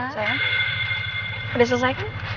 sayang udah selesai kan